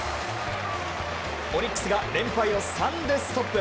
オリックスが連敗を３でストップ。